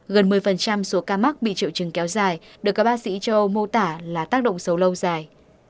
gần một mươi số ca mắc bị triệu chứng kéo dài được các bác sĩ cho mô tả là tác động sâu lâu dài